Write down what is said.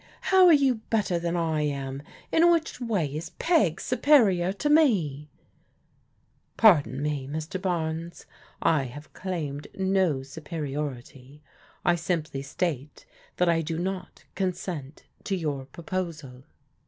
How are you better than I am? In which way is Peg superior to me ?"" Pardon me, Mr. Barnes, I have claimed no superior ity. I simply state that I do not consent to your pro posal."